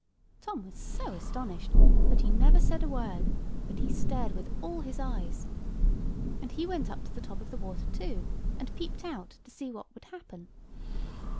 Tom was so astonished that he never said a word but he stared with all his eyes. And he went up to the top of the water too, and peeped out to see what would happen.